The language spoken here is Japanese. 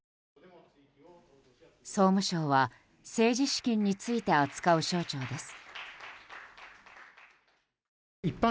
総務省は政治資金について扱う省庁です。